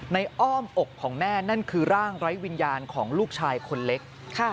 อ้อมอกของแม่นั่นคือร่างไร้วิญญาณของลูกชายคนเล็ก